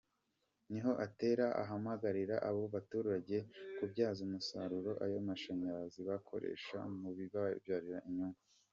Niho atera ahamagarira abo baturage kubyaza umusaruro ayo mashanyarazi bayakoresha mu bibabyarira inyungu.